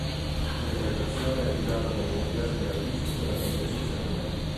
L'interpretazione è affidata ad un complesso di artisti veramente eccezionale.